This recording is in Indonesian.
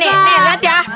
nih lihat ya